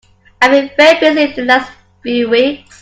I've been very busy the last few weeks.